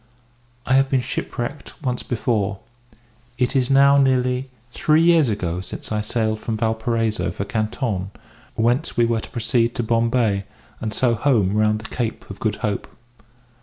I have been shipwrecked once before. It is now nearly three years ago since I sailed from Valparaiso for Canton, whence we were to proceed to Bombay, and so home round the Cape of Good Hope.